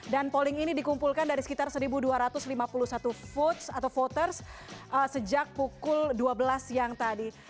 dan polling ini dikumpulkan dari sekitar satu dua ratus lima puluh satu votes atau voters sejak pukul dua belas siang tadi